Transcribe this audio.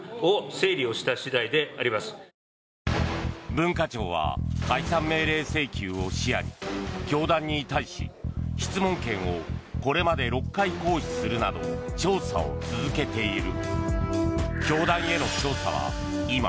文化庁は解散命令請求を視野に教団に対し、質問権をこれまで６回行使するなど調査を続けている。